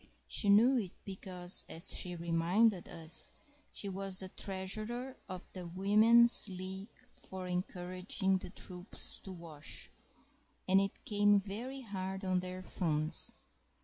She knew it because—as she reminded us—she was the treasurer of the "Women's League for Encouraging the Troops to Wash," and it came very hard on their funds.